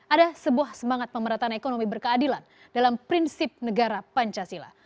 ada sebuah semangat pemerataan ekonomi berkeadilan dalam prinsip negara pancasila